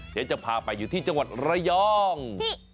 เดี๋ยวจะพาไปอยู่ที่จังหวัดระยอง